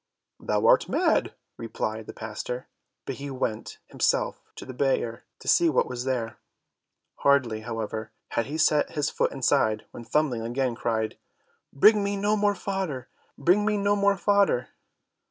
"Thou art mad," replied the pastor; but he went himself to the byre to see what was there. Hardly, however had he set his foot inside when Thumbling again cried, "Bring me no more fodder, bring me no more fodder."